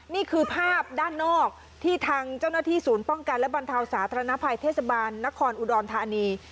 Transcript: นี่คือภาพด้านนอกที่ทางเจ้าหน้าที่ศูนย์ป้องกันและบรรเทาสาธารณภัยเทศบาลนครอุดรธานี